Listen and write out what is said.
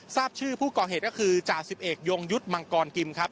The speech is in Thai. ทราบชื่อผู้ก่อเหตุก็คือจ่าสิบเอกยงยุทธ์มังกรกิมครับ